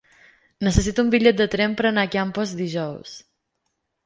Necessito un bitllet de tren per anar a Campos dijous.